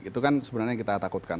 itu kan sebenarnya yang kita takutkan